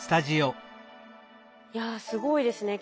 いやすごいですね。